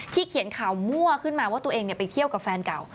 เขียนข่าวมั่วขึ้นมาว่าตัวเองไปเที่ยวกับแฟนเก่า